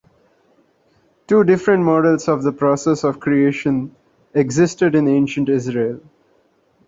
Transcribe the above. Two different models of the process of creation existed in ancient Israel.